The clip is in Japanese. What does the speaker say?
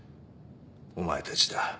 お前たちだ。